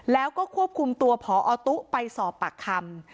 แล้วก็ควบคุมตัวพอตุ๊ไปสอบปากคำ